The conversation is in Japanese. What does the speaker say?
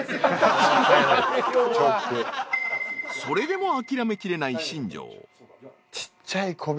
［それでも諦めきれない新庄］